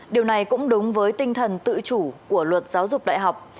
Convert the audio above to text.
điều này cũng đúng với tinh thần tự chủ của luật giáo dục đại học